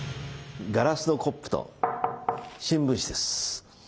ガラスのコップと新聞紙です。